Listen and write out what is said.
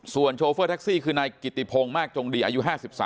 ส่วนโชเฟอร์แท็กซี่คือนายกิติพงศ์มากจงดีอายุ๕๓